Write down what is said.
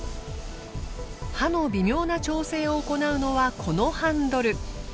刃の微妙な調整を行うのはこのハンドル。